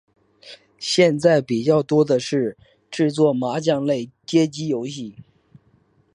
现在比较多的是制作麻将类街机游戏。